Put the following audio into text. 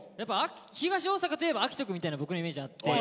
東大阪といえば照史くんみたいな僕のイメージあって。